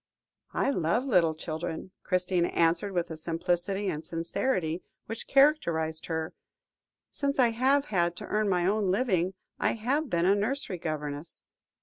"I love little children," Christina answered, with the simplicity and sincerity which characterised her; "since I have had to earn my own living, I have been a nursery governess."